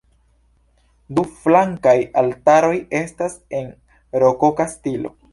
Du flankaj altaroj estas en rokoka stilo.